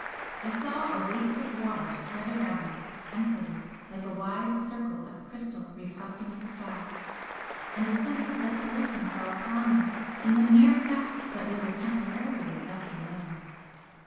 I saw a waste of water spread around us emptily like a wide circle of crystal reflecting the sky, and a sense of desolation fell upon me in the mere fact that we were temporarily left alone.